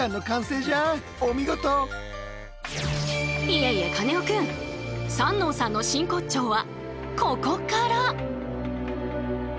いえいえカネオくん三納さんの真骨頂はここから！